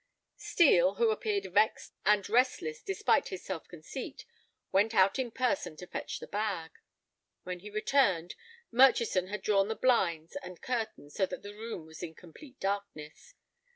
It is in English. Steel, who appeared vexed and restless despite his self conceit, went out in person to fetch the bag. When he returned, Murchison had drawn the blinds and curtains so that the room was in complete darkness.